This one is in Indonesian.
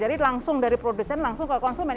jadi langsung dari produsen langsung ke konsumen